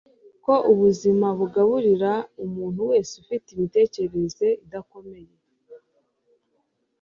ko ubuzima bugaburira umuntu wese ufite imitekerereze idakomeye